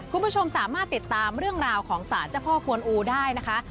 คุณผู้ชมสามารถติดตามเรื่องราวของสารเจ้าพ่อกวนอูได้นะคะ